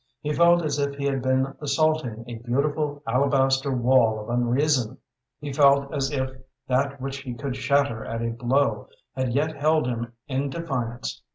He felt as if he had been assaulting a beautiful alabaster wall of unreason. He felt as if that which he could shatter at a blow had yet held him in defiance.